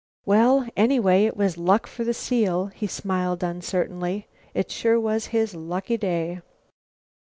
"Well, anyway it was luck for the seal," he smiled uncertainly. "It sure was his lucky day!"